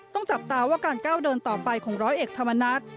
จับตาว่าการก้าวเดินต่อไปของร้อยเอกธรรมนัฐ